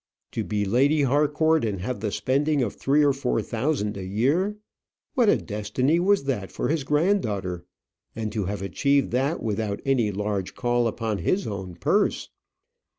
To be Lady Harcourt, and have the spending of three or four thousand a year! What a destiny was that for his granddaughter! And to have achieved that without any large call upon his own purse!